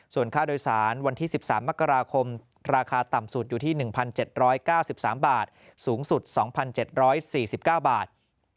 ส่วนค่าโดยสารวันที่๑๓มกราคมราคาต่ำสุดอยู่ที่๑๗๙๓บาทสูงสุด๒๗๔๙บาท